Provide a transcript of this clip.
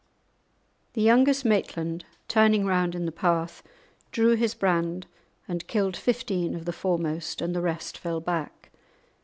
The youngest Maitland, turning round in the path, drew his brand and killed fifteen of the foremost, and the rest fell back.